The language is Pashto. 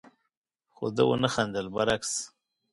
خو ده ونه خندل، برعکس،